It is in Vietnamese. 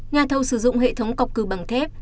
nhà thầu sử dụng hệ thống cọc cư bằng thép